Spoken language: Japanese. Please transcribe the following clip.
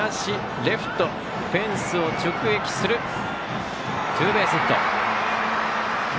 レフト、フェンスを直撃するツーベースヒット。